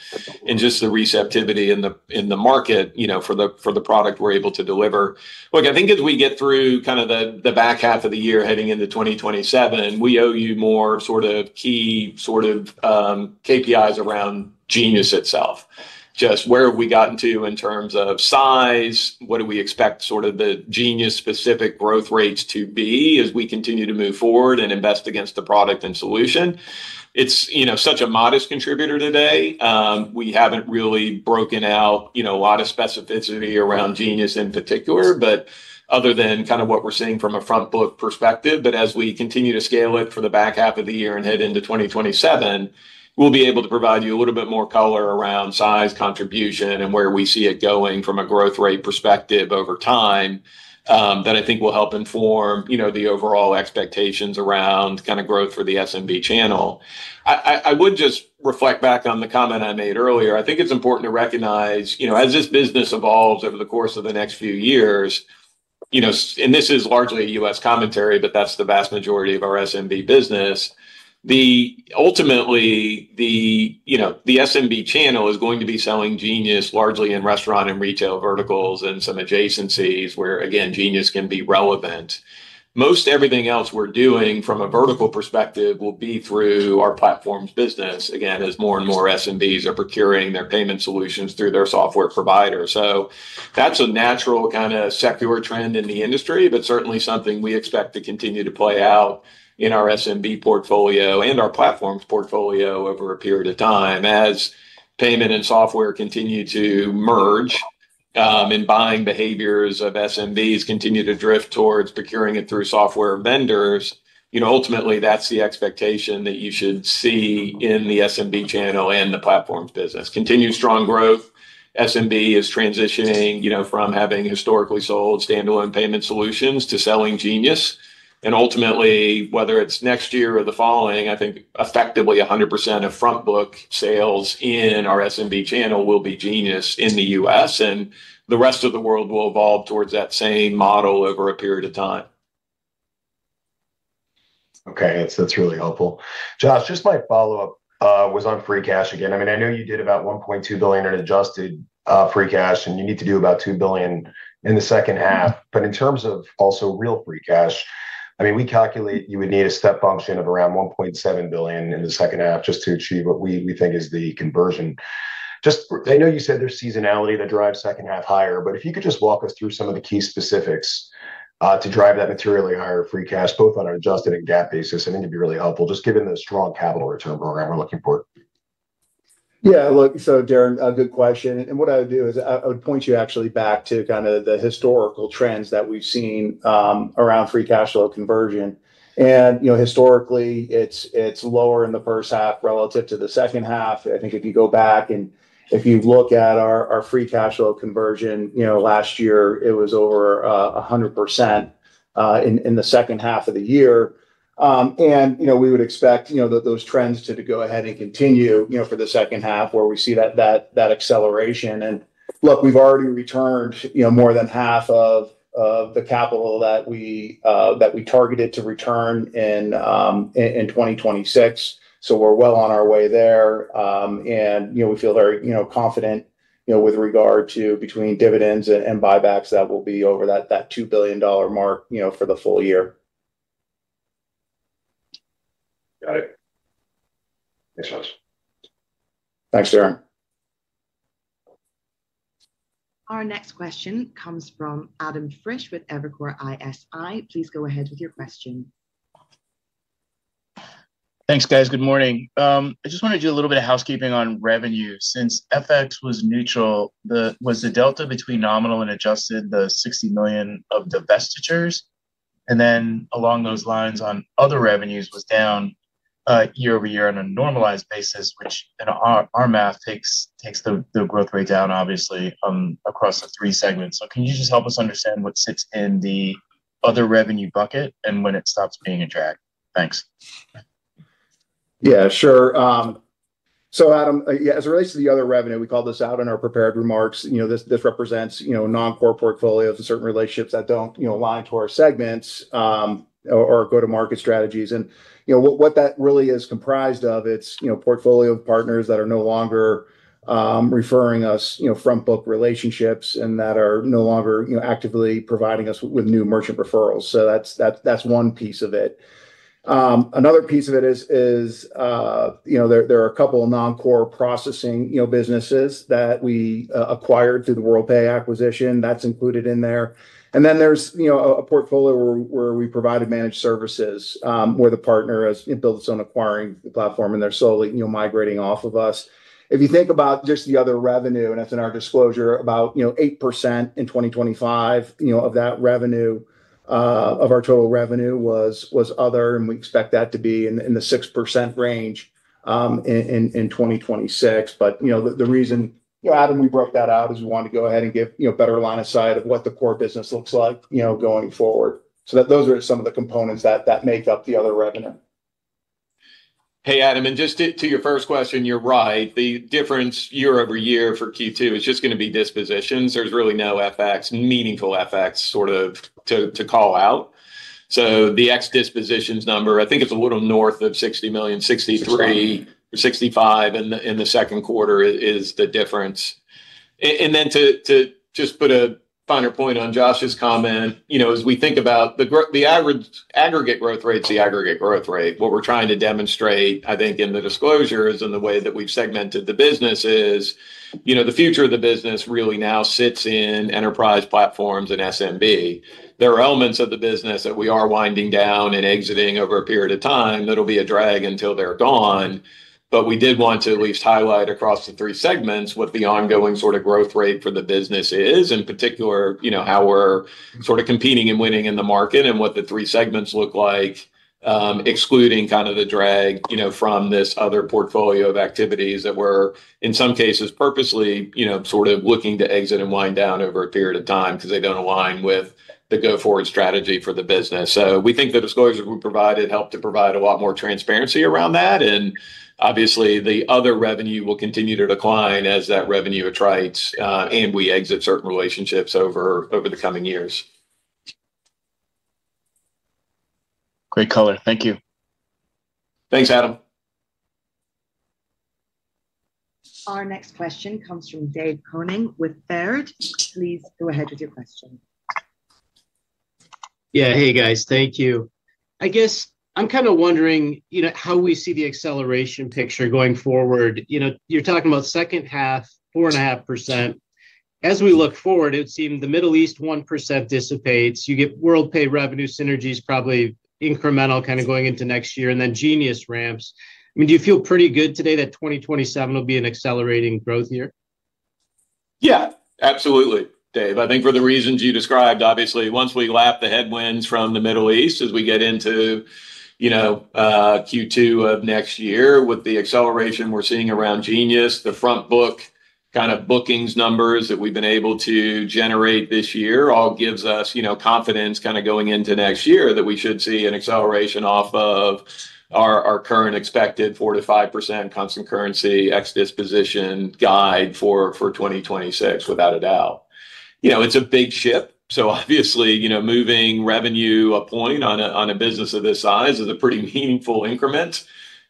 and just the receptivity in the market for the product, we're able to deliver. Look, I think as we get through the back half of the year heading into 2027, we owe you more key KPIs around Genius itself. Just where have we gotten to in terms of size, what do we expect the Genius specific growth rates to be as we continue to move forward and invest against the product and solution? It's such a modest contributor today. We haven't really broken out a lot of specificity around Genius in particular, but other than what we're seeing from a front book perspective. As we continue to scale it for the back half of the year and head into 2027, we'll be able to provide you a little bit more color around size, contribution, and where we see it going from a growth rate perspective over time, that I think will help inform the overall expectations around growth for the SMB channel. I would just reflect back on the comment I made earlier. I think it's important to recognize, as this business evolves over the course of the next few years, and this is largely a U.S. commentary, but that's the vast majority of our SMB business. Ultimately, the SMB channel is going to be selling Genius largely in restaurant and retail verticals and some adjacencies where, again, Genius can be relevant. Most everything else we're doing from a vertical perspective will be through our platforms business, again, as more and more SMBs are procuring their payment solutions through their software provider. That's a natural kind of secular trend in the industry, but certainly something we expect to continue to play out in our SMB portfolio and our platforms portfolio over a period of time. As payment and software continue to merge, buying behaviors of SMBs continue to drift towards procuring it through software vendors, ultimately, that's the expectation that you should see in the SMB channel and the platforms business. Continued strong growth. SMB is transitioning from having historically sold standalone payment solutions to selling Genius. Ultimately, whether it's next year or the following, I think effectively 100% of front book sales in our SMB channel will be Genius in the U.S., and the rest of the world will evolve towards that same model over a period of time. Okay. That's really helpful. Josh, just my follow-up was on free cash again. I know you did about $1.2 billion in adjusted free cash, and you need to do about $2 billion in the second half. In terms of also real free cash, we calculate you would need a step function of around $1.7 billion in the second half just to achieve what we think is the conversion. I know you said there's seasonality that drives second half higher, but if you could just walk us through some of the key specifics to drive that materially higher free cash, both on an adjusted and GAAP basis, I think it'd be really helpful just given the strong capital return program we're looking for. Yeah. Look, Darrin, a good question. What I would do is I would point you actually back to the historical trends that we've seen around free cash flow conversion. Historically, it's lower in the first half relative to the second half. I think if you go back and if you look at our free cash flow conversion last year, it was over 100% in the second half of the year. We would expect those trends to go ahead and continue for the second half where we see that acceleration. Look, we've already returned more than half of the capital that we targeted to return in 2026. We're well on our way there. We feel very confident with regard to between dividends and buybacks, that we'll be over that $2 billion mark for the full year. Got it. Thanks, Josh. Thanks, Darrin. Our next question comes from Adam Frisch with Evercore ISI. Please go ahead with your question. Thanks, guys. Good morning. I just want to do a little bit of housekeeping on revenue. Since FX was neutral, was the delta between nominal and adjusted the $60 million of divestitures? Along those lines, on other revenues was down year-over-year on a normalized basis, which in our math takes the growth rate down obviously across the three segments. Can you just help us understand what sits in the other revenue bucket and when it stops being a drag? Thanks. Yeah, sure. Adam, as it relates to the other revenue, we called this out in our prepared remarks. This represents non-core portfolios and certain relationships that don't align to our segments or go-to-market strategies. What that really is comprised of, it's portfolio partners that are no longer referring us front book relationships and that are no longer actively providing us with new merchant referrals. That's one piece of it. Another piece of it is there are a couple of non-core processing businesses that we acquired through the Worldpay acquisition. That's included in there. Then there's a portfolio where we provided managed services, where the partner has built its own acquiring platform, and they're solely migrating off of us. If you think about just the other revenue, and that's in our disclosure, about 8% in 2025 of our total revenue was other, and we expect that to be in the 6% range in 2026. The reason, Adam, we broke that out is we wanted to go ahead and give better line of sight of what the core business looks like going forward. Those are some of the components that make up the other revenue. Hey, Adam, just to your first question, you're right. The difference year-over-year for Q2 is just going to be dispositions. There's really no meaningful FX to call out. The ex-dispositions number, I think it's a little north of $60 million, $63 million or $65 million in the second quarter is the difference. To just put a finer point on Josh's comment, as we think about the aggregate growth rate's the aggregate growth rate. What we're trying to demonstrate, I think, in the disclosures and the way that we've segmented the business is the future of the business really now sits in enterprise platforms and SMB. There are elements of the business that we are winding down and exiting over a period of time that'll be a drag until they're gone. We did want to at least highlight across the three segments what the ongoing growth rate for the business is, in particular, how we're competing and winning in the market and what the three segments look like, excluding the drag from this other portfolio of activities that we're, in some cases, purposely looking to exit and wind down over a period of time because they don't align with the go-forward strategy for the business. We think the disclosures that we provided help to provide a lot more transparency around that. Obviously, the other revenue will continue to decline as that revenue attrites, and we exit certain relationships over the coming years. Great color. Thank you. Thanks, Adam. Our next question comes from David Koning with Baird. Please go ahead with your question. Yeah. Hey, guys. Thank you. I guess I'm kind of wondering how we see the acceleration picture going forward. You're talking about second half, 4.5%. As we look forward, it would seem the Middle East 1% dissipates. You get Worldpay revenue synergies probably incremental going into next year, and then Genius ramps. Do you feel pretty good today that 2027 will be an accelerating growth year? Yeah, absolutely, David. I think for the reasons you described. Obviously, once we lap the headwinds from the Middle East as we get into Q2 of next year with the acceleration we're seeing around Genius, the front book bookings numbers that we've been able to generate this year all gives us confidence going into next year that we should see an acceleration off of our current expected 4% to 5% constant currency ex disposition guide for 2026, without a doubt. It's a big ship, so obviously, moving revenue a point on a business of this size is a pretty meaningful increment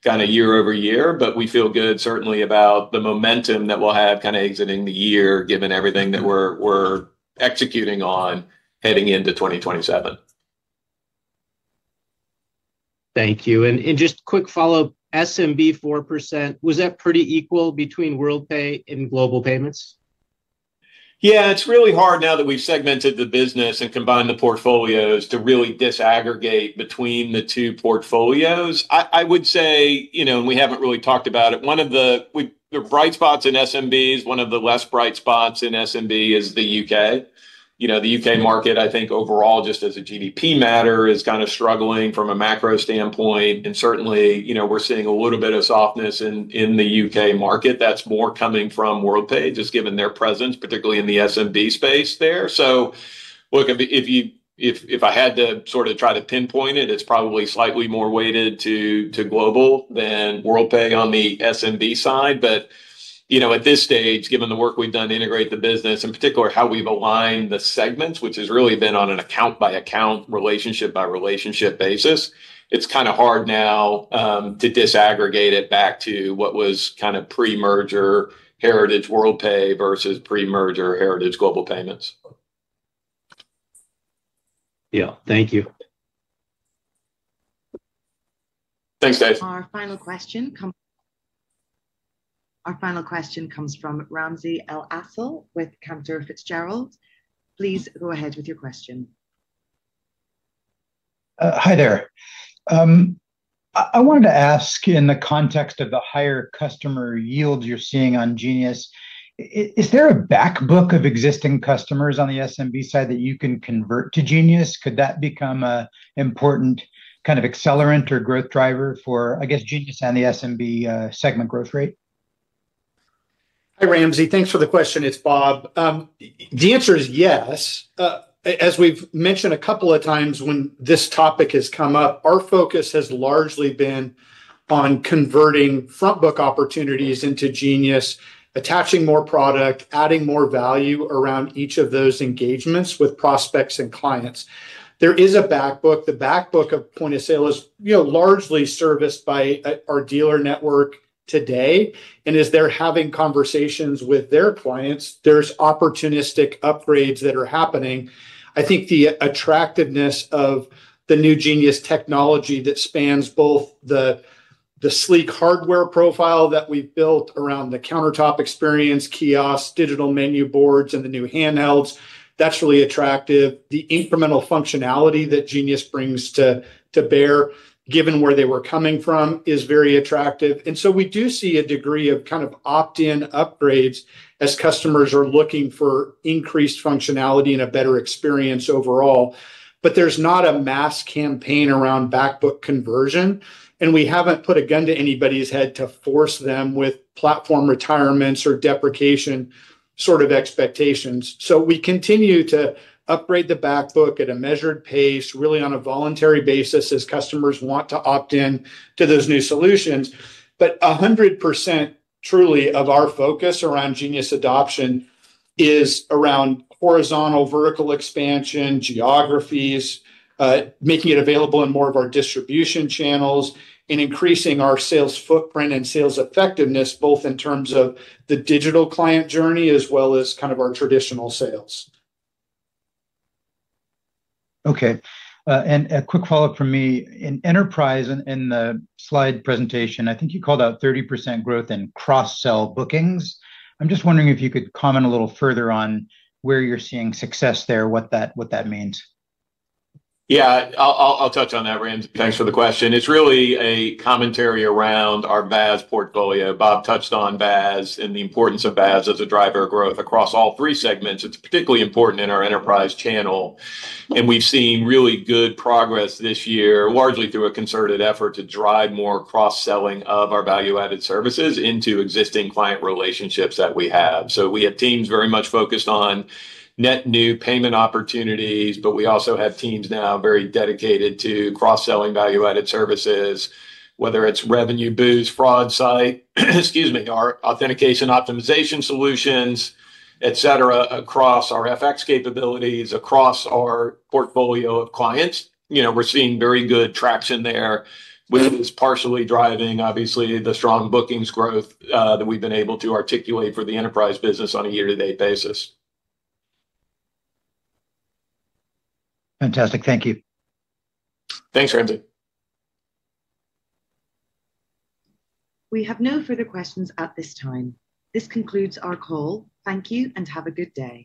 year-over-year. We feel good certainly about the momentum that we'll have exiting the year, given everything that we're executing on heading into 2027. Thank you. Just quick follow-up. SMB 4%, was that pretty equal between Worldpay and Global Payments? Yeah, it's really hard now that we've segmented the business and combined the portfolios to really disaggregate between the two portfolios. I would say, and we haven't really talked about it, one of the bright spots in SMB is one of the less bright spots in SMB is the U.K. The U.K. market, I think overall just as a GDP matter, is kind of struggling from a macro standpoint, and certainly we're seeing a little bit of softness in the U.K. market that's more coming from Worldpay just given their presence, particularly in the SMB space there. Look, if I had to try to pinpoint it's probably slightly more weighted to Global than Worldpay on the SMB side. At this stage, given the work we've done to integrate the business, in particular how we've aligned the segments, which has really been on an account-by-account, relationship-by-relationship basis, it's kind of hard now to disaggregate it back to what was pre-merger Heritage Worldpay versus pre-merger Heritage Global Payments. Yeah. Thank you. Thanks, David. Our final question comes from Ramsey El-Assal with Cantor Fitzgerald. Please go ahead with your question. Hi there. I wanted to ask in the context of the higher customer yields you're seeing on Genius, is there a back book of existing customers on the SMB side that you can convert to Genius? Could that become an important accelerant or growth driver for, I guess, Genius and the SMB segment growth rate? Hi, Ramsey. Thanks for the question. It's Bob. The answer is yes. As we've mentioned a couple of times when this topic has come up, our focus has largely been on converting front-book opportunities into Genius, attaching more product, adding more value around each of those engagements with prospects and clients. There is a back book. The back book of point of sale is largely serviced by our dealer network today. As they're having conversations with their clients, there's opportunistic upgrades that are happening. I think the attractiveness of the new Genius technology that spans both the sleek hardware profile that we've built around the countertop experience, kiosks, digital menu boards, and the new Handhelds, that's really attractive. The incremental functionality that Genius brings to bear, given where they were coming from, is very attractive. We do see a degree of opt-in upgrades as customers are looking for increased functionality and a better experience overall. There's not a mass campaign around backbook conversion, and we haven't put a gun to anybody's head to force them with platform retirements or deprecation sort of expectations. We continue to upgrade the backbook at a measured pace, really on a voluntary basis as customers want to opt in to those new solutions. 100% truly of our focus around Genius adoption is around horizontal, vertical expansion, geographies, making it available in more of our distribution channels, and increasing our sales footprint and sales effectiveness, both in terms of the digital client journey as well as our traditional sales. Okay. A quick follow-up from me. In enterprise, in the slide presentation, I think you called out 30% growth in cross-sell bookings. I'm just wondering if you could comment a little further on where you're seeing success there, what that means. Yeah. I'll touch on that, Ramsey. Thanks for the question. It's really a commentary around our VAS portfolio. Bob touched on VAS and the importance of VAS as a driver of growth across all three segments. It's particularly important in our enterprise channel, and we've seen really good progress this year, largely through a concerted effort to drive more cross-selling of our value-added services into existing client relationships that we have. We have teams very much focused on net new payment opportunities, but we also have teams now very dedicated to cross-selling value-added services, whether it's Revenue Boost, FraudSight, excuse me, our authentication optimization solutions, et cetera, across our FX capabilities, across our portfolio of clients. We're seeing very good traction there, which is partially driving, obviously, the strong bookings growth that we've been able to articulate for the enterprise business on a year-to-date basis. Fantastic. Thank you. Thanks, Ramsey. We have no further questions at this time. This concludes our call. Thank you and have a good day.